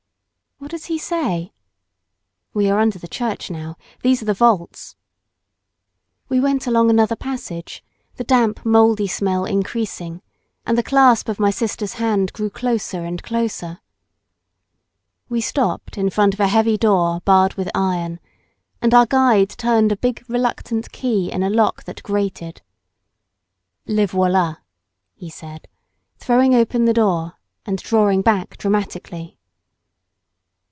"What does he say?" "We are under the church now; these are the vaults." We went along another passage, the damp mouldy smell increasing, and my clasp of my sister's hand grew closer and closer. We stopped in front of a heavy door barred with iron, and our guide turned a big reluctant key in a lock that grated. "Les voila," he said, throwing open the door and drawing back dramatically.